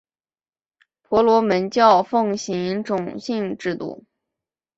婆罗门教奉行种姓制度。